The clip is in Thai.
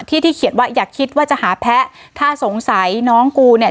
ที่ที่เขียนว่าอย่าคิดว่าจะหาแพ้ถ้าสงสัยน้องกูเนี่ย